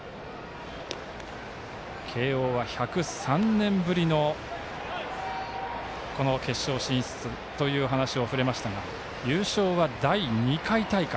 慶応は１０３年ぶりの決勝進出という話を触れましたが、優勝は第２回大会。